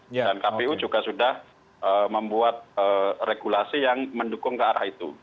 dan kpu juga sudah membuat regulasi yang mendukung kearah itu